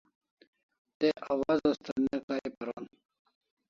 Te awaz asta ne kai paron